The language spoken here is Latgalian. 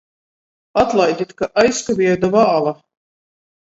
Atlaidit, ka aizkavieju da vāla!